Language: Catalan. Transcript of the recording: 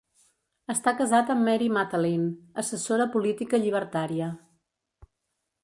Està casat amb Mary Matalin, assessora política llibertària.